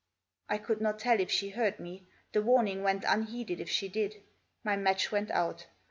I could not tell if she heard me. The warning went unheeded if she did. My match went out.